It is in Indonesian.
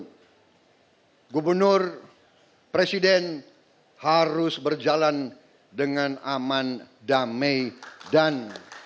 akan menjaga kekuatan dan kekuatan dan kekuatan kekuatan dari negara jepang